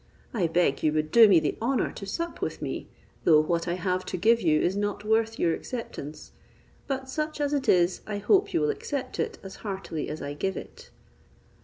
I beg you would do me the honour to sup with me, though what I have to give you is not worth your acceptance; but such as it is, I hope you will accept it as heartily as I give it."